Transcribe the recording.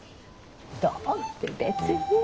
どうって別に。